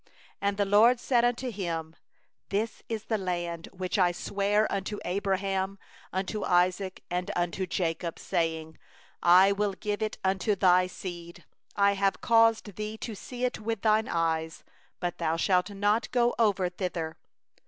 4And the LORD said unto him: 'This is the land which I swore unto Abraham, unto Isaac, and unto Jacob, saying: I will give it unto thy seed; I have caused thee to see it with thine eyes, but thou shalt not go over thither.